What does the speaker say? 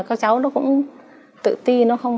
các cháu nó cũng tự ti nó không